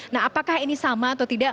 nah apakah ini sama atau tidak